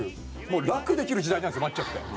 もう楽できる時代なんですよマッチョって。